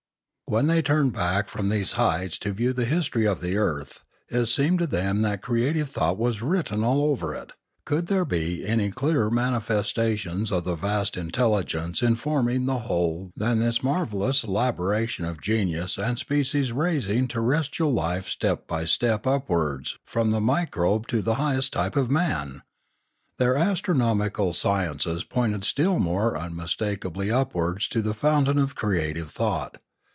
When they turned back from these heights to view the history of the earth, it seemed to them that creative thought was written all over it; could there be any clearer manifestation of the vast intelligence informing the whole than this marvellous elaboration of genus and species raising terrestrial life step by step upwards from the microbe to the highest type of man ? Their astronomical sciences pointed still more unmistakably upwards to the fountain of creative thought.